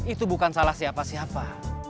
itu bukan salah siapa siapa